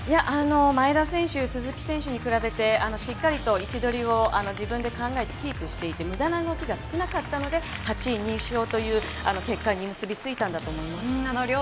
前田選手、鈴木選手に比べて、しっかり位置取りを自分で考えてキープしていて、無駄な動きが少なかったので８位入賞という結果に結びついたんだと思います。